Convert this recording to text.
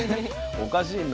おかしいな。